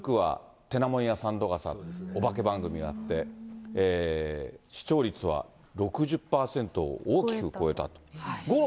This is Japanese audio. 古くはてなもんやさんどがさ、お化け番組があって、視聴率は６０％を大きく超えたと。